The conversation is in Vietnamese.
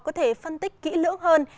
có thể phân tích kỹ lưỡng hơn